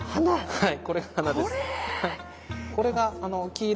はい。